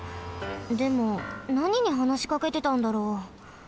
でもなににはなしかけてたんだろう？